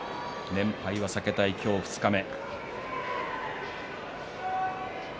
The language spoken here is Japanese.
連敗は避けたい、今日の二日目。